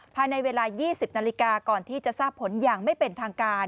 ภายในเวลา๒๐นาฬิกาก่อนที่จะทราบผลอย่างไม่เป็นทางการ